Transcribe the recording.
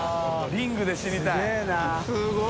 リングで死にたい。